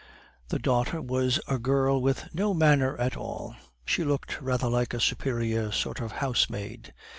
"The daughter was a girl with no manner at all. She looked rather like a superior sort of housemaid.